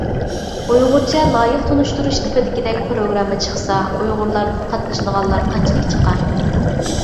ئۇيغۇرچە لايىق تونۇشتۇرۇش تىپىدىكىدەك پىروگرامما چىقسا، ئۇيغۇرلاردىن قاتنىشىدىغانلار قانچىلىك چىقار؟